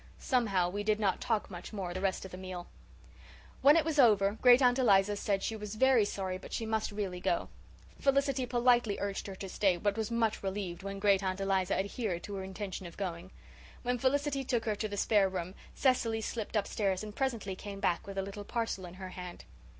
Somehow, we did not talk much more the rest of the meal. When it was over Great aunt Eliza said she was very sorry but she must really go. Felicity politely urged her to stay, but was much relieved when Great aunt Eliza adhered to her intention of going. When Felicity took her to the spare room Cecily slipped upstairs and presently came back with a little parcel in her hand.